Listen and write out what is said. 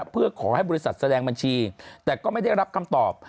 เพื่อขอให้บริษัทแสดงบัญชีแต่ก็ไม่ได้รับคำตอบ